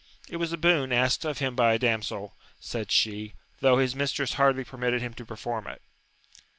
It was a boon asked of him by a damsel, said she, tho' his mistress hardly permitted him to perform it.